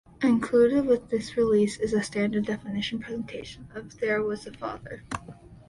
Included with this release is a standard definition presentation of "There Was a Father".